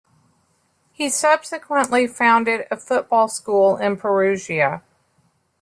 He subsequently founded a football school in Perugia.